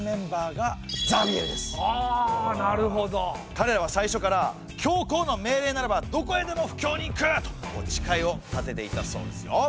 かれらは最初から「教皇の命令ならばどこへでも布教に行く！」と誓いを立てていたそうですよ。